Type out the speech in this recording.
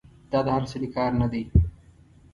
دا د هر سړي کار نه دی.